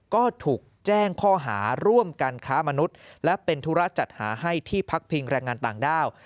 ก็ถูกแจ้งข้อหาร่วมการค้ามนุษย์และเป็นธุระจัดหาให้ที่พักพิงแรงงานต่างด้าว